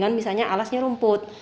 ada satu ruas dengan alasnya rumput